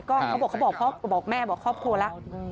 เขาบอกแม่บอกครอบครัวแล้ว